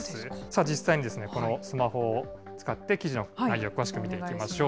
実際にこのスマホを使って、記事の内容を詳しく見ていきましょう。